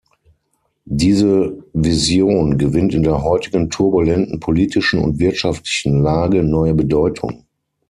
Diese Vision gewinnt in der heutigen turbulenten politischen und wirtschaftlichen Lage neue Bedeutung.